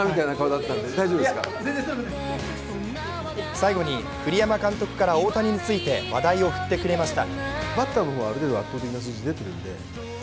最後に栗山監督から大谷について、話題を振ってくれました。